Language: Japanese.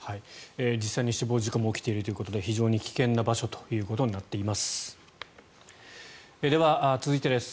実際に死亡事故も起きているということで非常に危険な場所ということになっています。